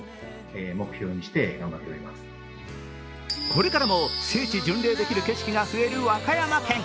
これからも聖地巡礼できる景色が増える和歌山県。